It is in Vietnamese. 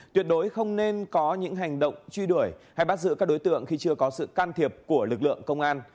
tuyệt đối không nên có những hành động truy đuổi hay bắt giữ các đối tượng khi chưa có sự can thiệp của lực lượng công an